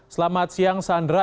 selamat siang sandra